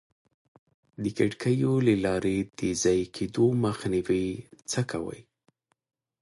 د کړکیو له لارې د ضایع کېدو مخنیوی څه کوئ؟